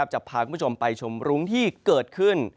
จะพาคุณผู้ชมไปชมรุ้งที่เกิดขึ้น